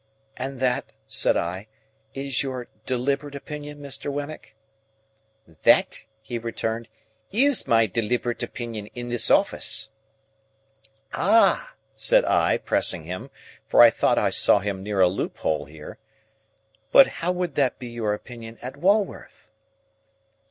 "And that," said I, "is your deliberate opinion, Mr. Wemmick?" "That," he returned, "is my deliberate opinion in this office." "Ah!" said I, pressing him, for I thought I saw him near a loophole here; "but would that be your opinion at Walworth?"